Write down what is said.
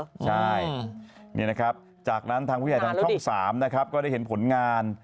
ใช่นี่นะครับจากนั้นทางผู้ใหญ่ทางช่อง๓นะครับก็ได้เห็นผลงาน